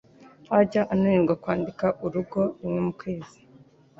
Ntajya ananirwa kwandika urugo rimwe mu kwezi.